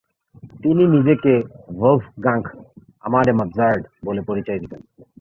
তিনি নিজেকে "ভোল্ফগাংক্ আমাডে মোৎসার্ট" বলে পরিচয় দিতেন।